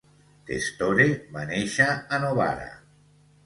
Testore va néixer a Novara.